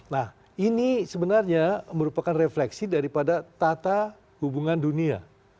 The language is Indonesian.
nah ini sebenarnya merupakan refleksi daripada tata hubungan dunia